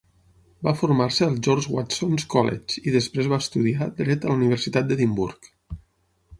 Va formar-se a al George Watson's College i després va estudiar Dret a la Universitat d'Edimburg.